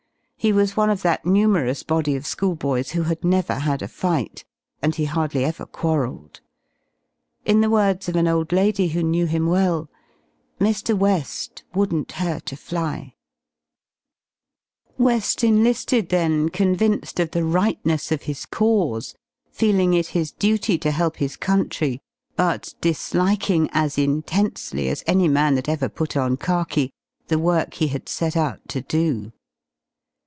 He was one of that numerous body of schoolboys who had never had a fight, and he hardly ever quarrelled. In the words of an old lady who knew him well, ''Mr. We§i wouldn't hurt afly^ xii WeSi eniiSledy then^ convinced of the Tightness of his caute^ feeling it his duty to help his country y bufdis/i^ingyOS intensely as any man that ever put on khaki y the work he had set out to do.